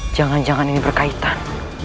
jangan jangan ini berkaitan